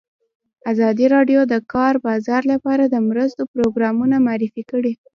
ازادي راډیو د د کار بازار لپاره د مرستو پروګرامونه معرفي کړي.